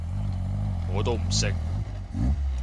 我都唔識